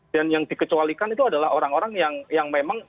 dan yang dikecualikan itu adalah orang orang yang memang